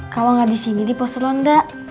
kalau gak disini di posulon gak